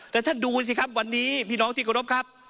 แต่ท่านดูสิครับวันนี้พี่น้องที่เคารพครับ